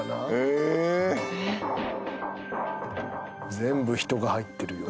えっ全部人が入ってるよ